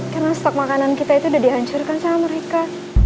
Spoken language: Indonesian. karena stok makanan kita itu udah dihancurkan sama mereka